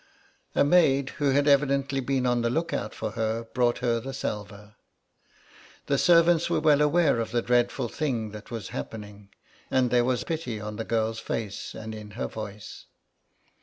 A maid, who had evidently been on the lookout for her, brought her the salver. The servants were well aware of the dreadful thing that was happening, and there was pity on the girl's face and in her voice.